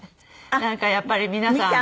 なんかやっぱり皆さん。